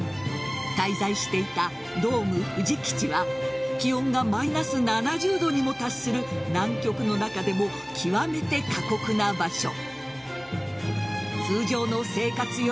滞在していたドームふじ基地は気温がマイナス７０度にも達する南極の中でも極めて過酷な場所。